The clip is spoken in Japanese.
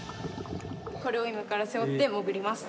これを今から背負って潜ります。